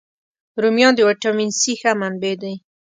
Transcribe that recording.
رومیان د ویټامین C ښه منبع دي